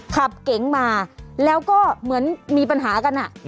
เก๋งมาแล้วก็เหมือนมีปัญหากัน